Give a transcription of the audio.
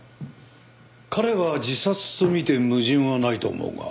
彼は自殺とみて矛盾はないと思うが。